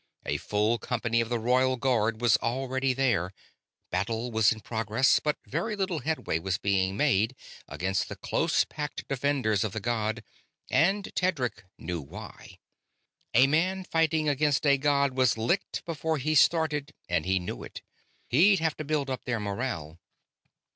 A full company of the Royal Guard was already there. Battle was in progress, but very little headway was being made against the close packed defenders of the god, and Tedric knew why. A man fighting against a god was licked before he started, and knew it. He'd have to build up their morale.